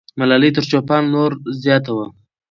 ملالۍ تر چوپان لور زیاته وه.